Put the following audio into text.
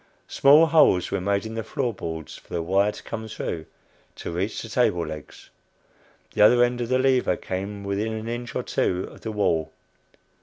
Small holes were made in the floor boards for the wire to come through to reach the table legs. The other end of the lever came within an inch or two of the wall.